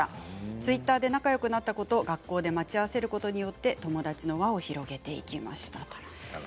ツイッターで仲よくなったことを学校で待ち合わせることによって友達の輪を広げていきましたということです。